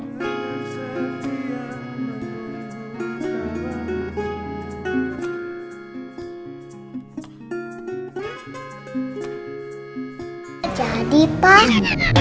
gak jadi pak